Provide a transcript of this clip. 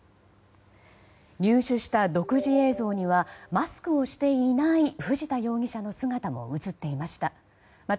入手した独自映像にはマスクをしていない藤田容疑者の姿も映っていました。